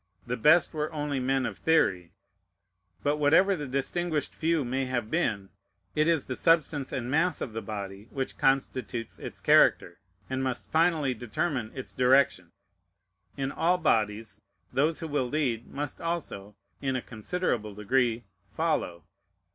The best were only men of theory. But whatever the distinguished few may have been, it is the substance and mass of the body which constitutes its character, and must finally determine its direction. In all bodies, those who will lead must also, in a considerable degree, follow.